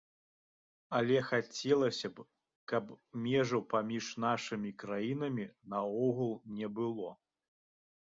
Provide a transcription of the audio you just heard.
Але хацелася б, каб межаў паміж нашымі краінамі наогул не было.